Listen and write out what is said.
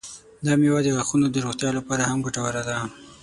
دا میوه د غاښونو د روغتیا لپاره هم ګټوره ده.